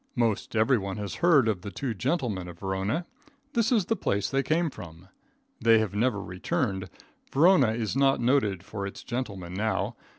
Most every one has heard of the Two Gentlemen of Verona. This is the place they came from. They have never returned. Verona is not noted for its gentlemen now.